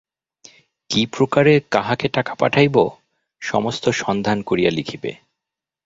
কি প্রকারে কাহাকে টাকা পাঠাইব, সমস্ত সন্ধান করিয়া লিখিবে।